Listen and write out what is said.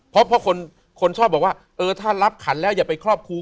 เพราะคนชอบบอกว่าเออถ้ารับขันแล้วอย่าไปครอบครู